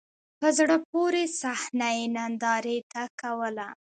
په زړه پوري صحنه یې نندارې ته کوله.